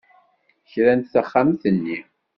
Krant taxxamt-nni.